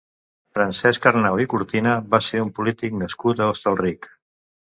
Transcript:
Francesc Arnau i Cortina va ser un polític nascut a Hostalric.